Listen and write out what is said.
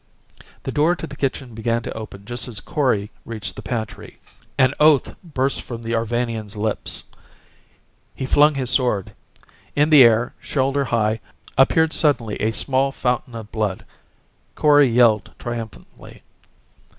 The door to the kitchen began to open just as Kori reached the pantry. An oath burst from the Arvanian's lips. He flung his sword. In the air, shoulder high, appeared suddenly a small fountain of blood. Kori yelled triumphantly.